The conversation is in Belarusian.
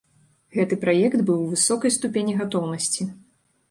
Гэты праект быў у высокай ступені гатоўнасці.